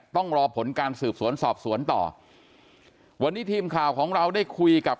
ต้องรอผลการสืบสวนสอบสวนต่อวันนี้ทีมข่าวของเราได้คุยกับ